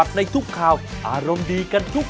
สวัสดีค่ะ